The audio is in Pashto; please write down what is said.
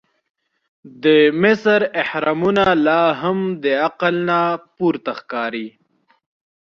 د مصر احرامونه لا هم د عقل نه پورته ښکاري.